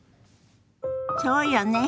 そうよね。